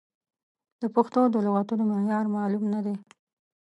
د پښتو د لغتونو معیار معلوم نه دی.